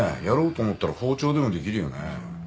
やろうと思ったら包丁でもできるよね。